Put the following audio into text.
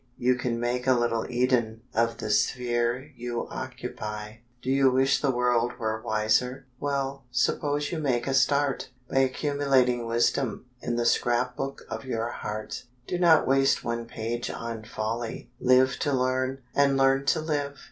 You can make a little Eden Of the sphere you occupy. Do you wish the world were wiser? Well, suppose you make a start, By accumulating wisdom In the scrapbook of your heart; Do not waste one page on folly; Live to learn, and learn to live.